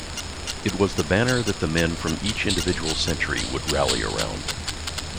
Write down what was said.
It was that banner that the men from each individual century would rally around.